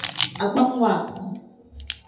Agbamwa.